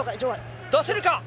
出せるか？